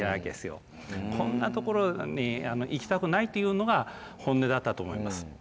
こんなところに行きたくないというのが本音だったと思います。